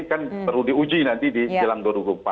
kan perlu diuji nanti di jelang dua ribu empat belas